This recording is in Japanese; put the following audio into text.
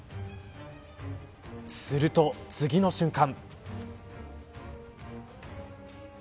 すると次の瞬間。